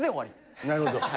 なるほど。